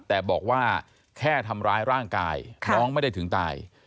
แต่บอกว่าแค่ทำร้ายร่างกายน้องไม่ได้ถึงตาย